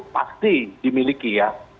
pasti dimiliki ya